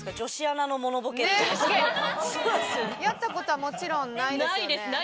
やった事はもちろんないですよね？